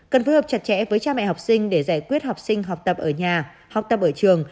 cần phối hợp chặt chẽ với cha mẹ học sinh để giải quyết học sinh học tập ở nhà học tập ở trường